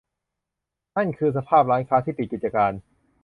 นั่นคือสภาพร้านค้าที่ปิดกิจการ